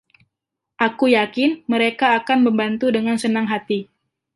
Aku yakin mereka akan membantu dengan senang hati.